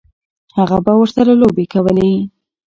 هغه به ورسره لوبې کولې.